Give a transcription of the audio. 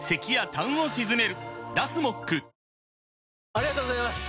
ありがとうございます！